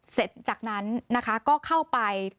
เสร็จจากนั้นนะคะก็เข้าไป